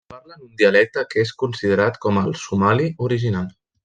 Parlen un dialecte que és considerat com el somali original.